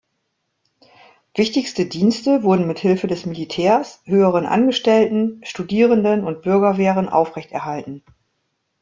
Wichtigste Dienste wurden mithilfe des Militärs, höheren Angestellten, Studierenden und Bürgerwehren aufrecht erhalten.